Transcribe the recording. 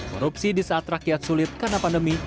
korupsi di saat rakyat sulit karena pandemi